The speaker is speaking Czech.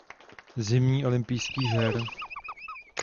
Zimních olympijských her.